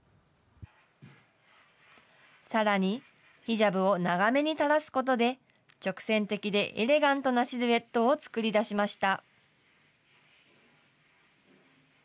さらに、ヒジャブを長めに垂らすことで、直線的でエレガントなシルエットを作り出しました。